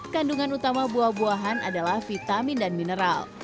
kandungan utama buah buahan adalah vitamin dan mineral